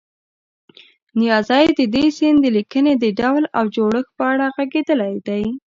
نیازی د دې سیند د لیکنې د ډول او جوړښت په اړه غږېدلی دی.